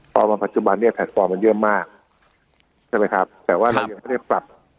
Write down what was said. พอมาปัจจุบันเนี่ยแพลตฟอร์มมันเยอะมากใช่ไหมครับแต่ว่าเรายังไม่ได้ปรับ